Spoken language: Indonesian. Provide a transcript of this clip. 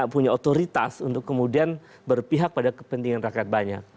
punya otoritas untuk kemudian berpihak pada kepentingan rakyat banyak